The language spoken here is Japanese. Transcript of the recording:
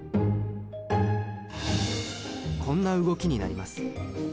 こんな動きになります。